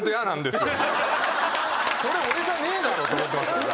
それ俺じゃねえだろと思ってましたから。